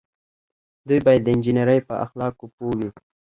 دوی باید د انجنیری په اخلاقو پوه وي.